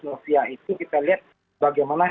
rusia itu kita lihat bagaimana